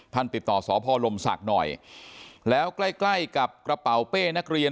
ติดต่อสพลมศักดิ์หน่อยแล้วใกล้ใกล้กับกระเป๋าเป้นักเรียน